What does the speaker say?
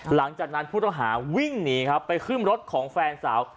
หลังจากนั้นผู้ต้องหาวิ่งหนีครับไปขึ้นรถของแฟนสาว